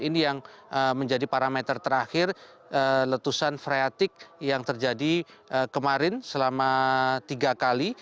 ini yang menjadi parameter terakhir letusan freatik yang terjadi kemarin selama tiga kali